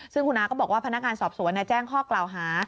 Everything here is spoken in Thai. ซึ่งคุณอาก็บอกว่าพนักงานสอบสวนแจ้งข้อกล่าวหา